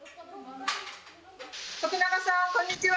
徳永さん、こんにちは。